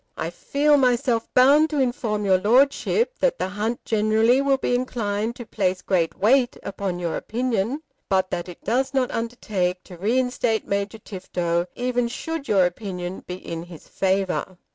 I feel myself bound to inform your Lordship that the hunt generally will be inclined to place great weight upon your opinion; but that it does not undertake to reinstate Major Tifto, even should your opinion be in his favour.